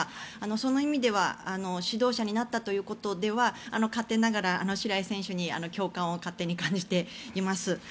その意味では指導者になったということでは勝手ながら白井選手に共感を感じています。